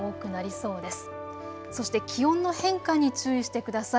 そして気温の変化に注意してください。